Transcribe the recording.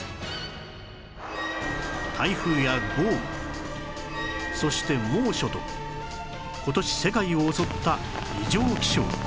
台風や豪雨そして猛暑と今年世界を襲った異常気象